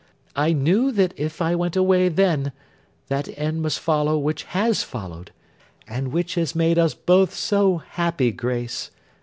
I knew that if I went away then, that end must follow which has followed, and which has made us both so happy, Grace!